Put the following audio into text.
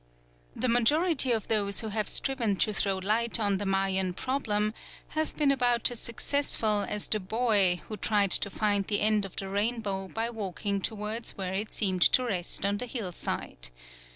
The majority of those who have striven to throw light on the Mayan problem have been about as successful as the boy who tried to find the end of the rainbow by walking towards where it seemed to rest on the hillside.